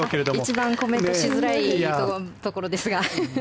一番コメントしづらいところですが。